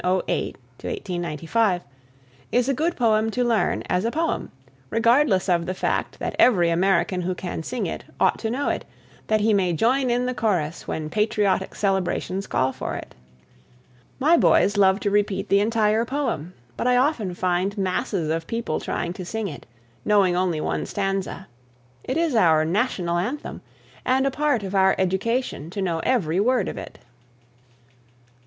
AMERICA. "America" (Samuel Francis Smith, 1808 95) is a good poem to learn as a poem, regardless of the fact that every American who can sing it ought to know it, that he may join in the chorus when patriotic celebrations call for it. My boys love to repeat the entire poem, but I often find masses of people trying to sing it, knowing only one stanza. It is our national anthem, and a part of our education to know every word of it.